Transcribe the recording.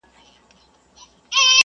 ښځې او نجونې د ښوونې حق لري.